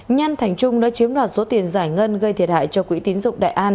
nhan thành trung đã chiếm đoạt số tiền giải ngân gây thiệt hại cho quỹ tín dụng đại an